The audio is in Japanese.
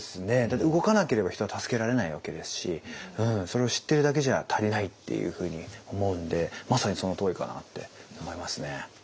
だって動かなければ人は助けられないわけですしそれを知ってるだけじゃ足りないっていうふうに思うんでまさにそのとおりかなって思いますね。